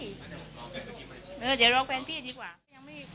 เฮ้อ